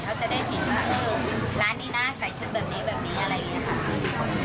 เขาจะได้เห็นว่าเออร้านนี้นะใส่ชุดแบบนี้แบบนี้อะไรอย่างนี้ค่ะ